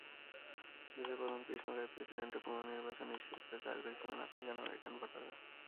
দেশের প্রথম কৃষ্ণকায় প্রেসিডেন্টের পুনর্নির্বাচন নিশ্চিত করতে আগ্রহী ছিলেন আফ্রিকান-আমেরিকান ভোটাররা।